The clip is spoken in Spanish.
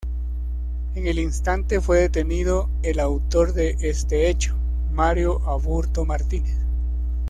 En el instante fue detenido el autor de este hecho, Mario Aburto Martínez.